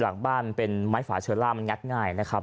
หลังบ้านเป็นไม้ฝาเชอล่ามันงัดง่ายนะครับ